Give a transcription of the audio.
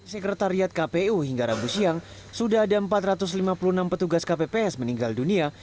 sekretariat kpu hingga rabu siang sudah ada empat ratus lima puluh enam petugas kpps meninggal dunia